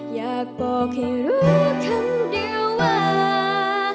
อยากบอกให้รู้คำเดียวว่า